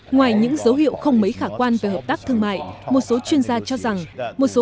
ngoài những dấu hiệu không mấy khả quan về hợp tác thương mại một số chuyên gia cho rằng một số